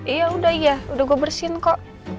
iya udah iya udah gue bersihin kok